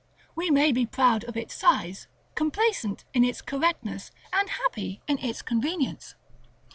We may be proud of its size, complacent in its correctness, and happy in its convenience.